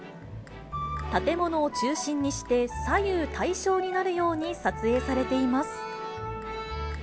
建物を中心にして左右対称になるように撮影されています。